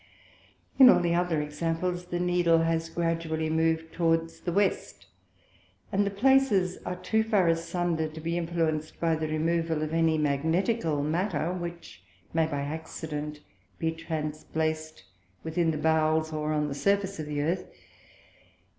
In all the other Examples the Needle has gradually mov'd towards the West, and the places are too far asunder to be influenc'd by the removal of any Magnetical Matter, which may by accident be transplac'd within the Bowels, or on the Surface of the Earth.